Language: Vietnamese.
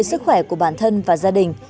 sức khỏe của bản thân và gia đình